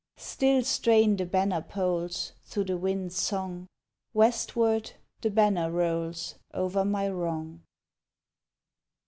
Still strain the banner poles Through the wind's song, Westward the banner rolls Over my wrong.